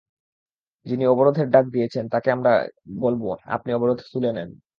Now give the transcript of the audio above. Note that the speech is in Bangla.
যিনি অবরোধের ডাক দিয়েছেন, তাঁকে গিয়ে আমরা বলব, আপনি অবরোধ তুলে নিন।